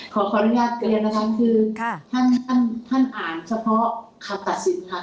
ขออนุญาตเรียนนะคะคือท่านอ่านเฉพาะคำตัดสินค่ะ